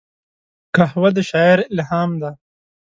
قهوه د شاعر الهام ده